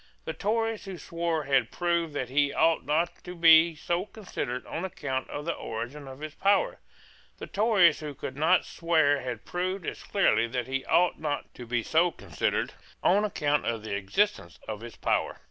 The Tories who swore had proved that he ought not to be so considered on account of the origin of his power: the Tories who would not swear had proved as clearly that he ought not to be so considered on account of the existence of his power.